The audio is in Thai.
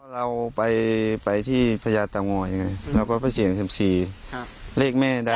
เราไปไปที่พญาตางออย่างไรเราก็ประเสริมสิบสี่ครับเลขแม่ดัง